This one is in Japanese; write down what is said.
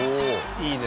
いいね。